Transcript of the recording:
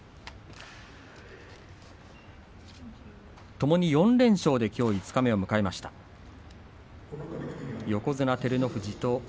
ともに４連勝で五日目を迎えました横綱照ノ富士。